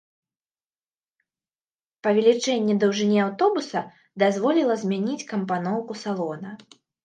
Павелічэнне даўжыні аўтобуса дазволіла змяніць кампаноўку салона.